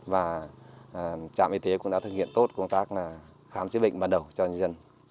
và trạm y tế cũng đã thực hiện tốt công tác khám chế bệnh bắt đầu cho nhân dân